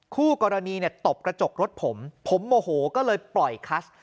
คู่กรณีเนี่ยตบกระจกรถผมผมโมโหก็เลยปล่อยคัส